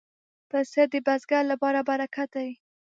پسه د بزګر لپاره برکت دی.